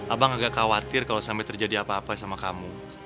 abang agak khawatir kalau sampai terjadi apa apa sama kamu